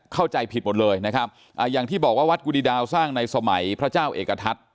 เข้าใจผิดหมดเลยนะครับอ่าอย่างที่บอกว่าวัดกุฎิดาวสร้างในสมัยพระเจ้าเอกทัศน์